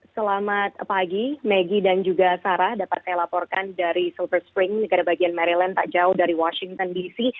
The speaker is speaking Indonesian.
selamat pagi maggie dan juga sarah dapat saya laporkan dari silver spring negara bagian maryland tak jauh dari washington dc